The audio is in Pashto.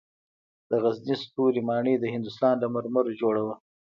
د غزني ستوري ماڼۍ د هندوستان له مرمرو جوړه وه